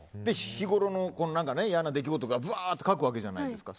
日頃の嫌な出来事とかぶわーっと書くわけじゃないですか。